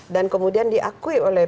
dan kemudian diakui oleh